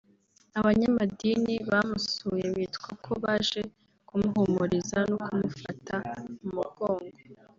Abanyamadini bamusuye byitwa ko baje kumuhumuriza no kumufata mu mugongo